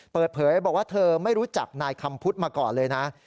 เปิดเผยบอกว่าเธอไม่รู้จักนายคำพุทธมาก่อนเลยนะ